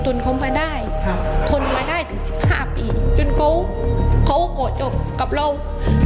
นเขามาได้ครับทนมาได้ถึงสิบห้าปีจนเขาเขาขอจบกับเรา